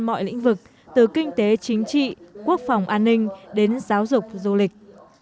mọi lĩnh vực từ kinh tế chính trị quốc phòng an ninh đến giáo dục du lịch